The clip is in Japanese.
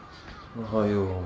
おはよう。